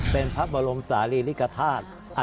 เป็นพระบรมศาลิลิกภาษะ